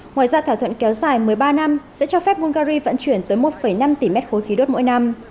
ngoài ra thỏa thuận kéo dài một mươi ba năm sẽ cho phép bungary vận chuyển tới một năm tỷ mét khối khí đốt mỗi năm